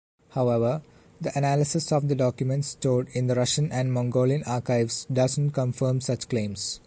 However, the analysis of the documents stored in the Russian and Mongolian archives doesn’t confirm such claims.